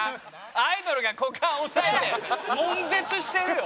アイドルが股間押さえて悶絶してるよ。